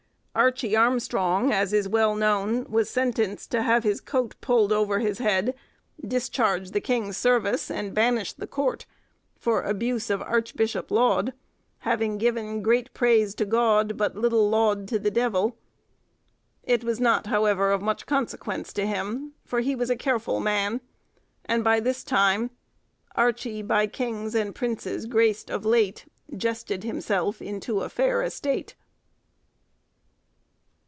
Archie Armstrong, as is well known, was sentenced to have his coat pulled over his head, discharged the king's service, and banished the court, for abuse of Archbishop Laud, having given "great praise to God, but little laud to the devil." It was not, however, of much consequence to him, for he was a careful man, and by this time— "Archee, by kings and princes grac'd of late, Jested himself into a fair estate."